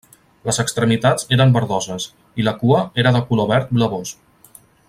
Les extremitats eren verdoses, i la cua era de color verd blavós.